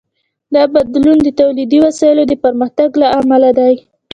دا بدلون د تولیدي وسایلو د پرمختګ له امله دی.